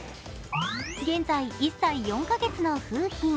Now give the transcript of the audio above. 現在、１歳４カ月の楓浜。